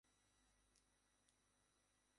Claim একটা নতুন গিককে এনেছে।